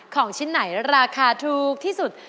ของชิ้นไหนราคาถูกที่สุด